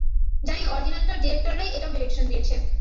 জানি অরিজিনালটার ডিরেক্টররাই এটাও ডিরেকশন দিয়েছে।